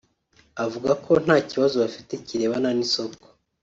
avuga ko nta kibazo bafite kirebana n’isoko